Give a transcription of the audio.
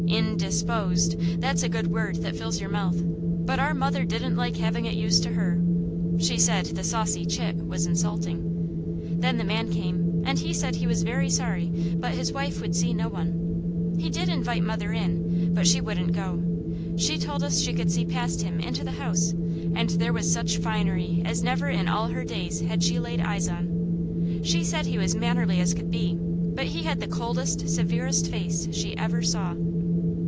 "In dis posed!" That's a good word that fills your mouth, but our mother didn't like having it used to her. She said the "saucy chit" was insulting. Then the man came, and he said he was very sorry, but his wife would see no one. He did invite mother in, but she wouldn't go. She told us she could see past him into the house and there was such finery as never in all her days had she laid eyes on. She said he was mannerly as could be, but he had the coldest, severest face she ever saw.